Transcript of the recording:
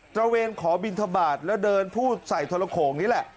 ระเวนขอบินทบาทแล้วเดินพูดใส่ทรโขงนี่แหละ